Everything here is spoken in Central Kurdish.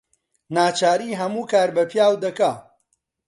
ناچاری هەموو کار بە پیاو دەکا